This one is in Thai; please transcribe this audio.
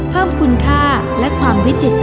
เพิ่มคุณค่าและความวิจิตศร